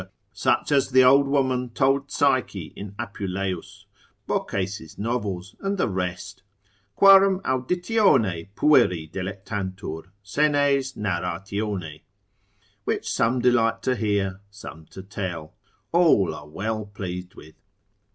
such as the old woman told Psyche in Apuleius, Boccace novels, and the rest, quarum auditione pueri delectantur, senes narratione, which some delight to hear, some to tell; all are well pleased with.